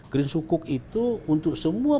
green sukuk itu untuk semua